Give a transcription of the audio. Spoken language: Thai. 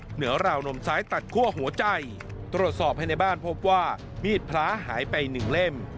เหนือราวนมซ้ายตัดคั่วหัวใจตรวจสอบให้ในบ้านพบว่ามีดพระหายไปหนึ่งเล่ม